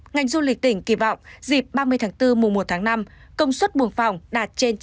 ngành du lịch tỉnh kỳ vọng dịp ba mươi tháng bốn mùa một tháng năm công suất buồng phòng đạt trên chín mươi